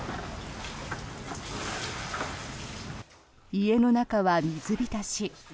家の中は水浸し。